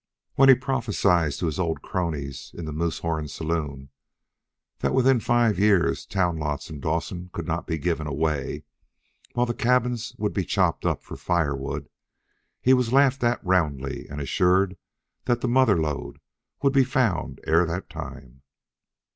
When he prophesied to his old cronies, in the Moosehorn Saloon, that within five years town lots in Dawson could not be given away, while the cabins would be chopped up for firewood, he was laughed at roundly, and assured that the mother lode would be found ere that time.